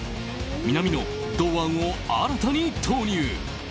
南野、堂安を新たに投入。